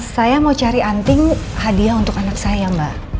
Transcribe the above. saya mau cari anting hadiah untuk anak saya mbak